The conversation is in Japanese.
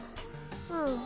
うん。